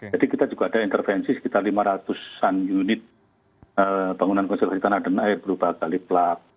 jadi kita juga ada intervensi sekitar lima ratus an unit bangunan konservasi tanah dan air berubah kali plug